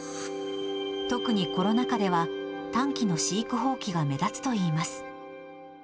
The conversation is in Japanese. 特にコロナ禍では、短期の飼育放棄が目立つといいます。